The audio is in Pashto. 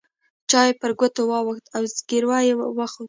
چای يې په ګوتو واوښت زګيروی يې وخوت.